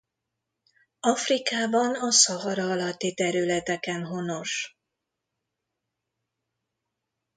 Afrikában a Szahara alatti területeken honos.